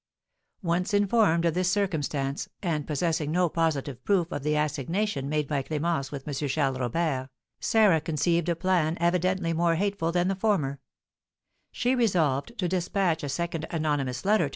Once informed of this circumstance, and possessing no positive proof of the assignation made by Clémence with M. Charles Robert, Sarah conceived a plan evidently more hateful than the former: she resolved to despatch a second anonymous letter to M.